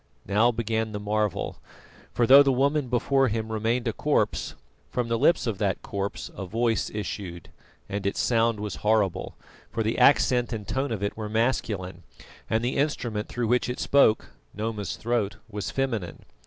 Now began the marvel; for, though the woman before him remained a corpse, from the lips of that corpse a voice issued, and its sound was horrible, for the accent and tone of it were masculine, and the instrument through which it spoke Noma's throat was feminine.